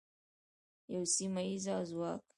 یو سیمه ییز ځواک.